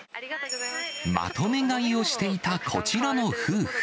まとめ買いをしていたこちらの夫婦。